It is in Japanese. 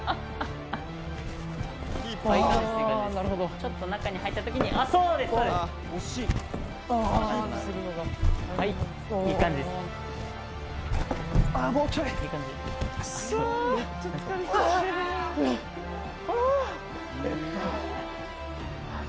ちょっと中に入ったときに、そうです、そうです。